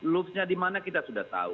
lutsnya dimana kita sudah tahu